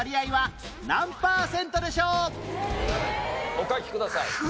お書きください。